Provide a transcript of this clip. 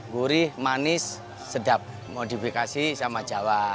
gurih manis sedap modifikasi sama jawa